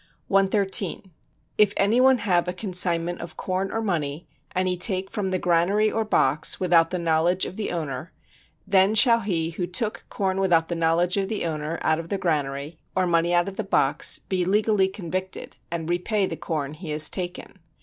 113. If any one have a consignment of corn or money, and he take from the granary or box, without the knowledge of the owner, then shall he who took corn without the knowledge of the owner out of the granary or money out of the box be legally convicted, and repay the corn he has taken.